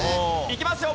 いきますよ。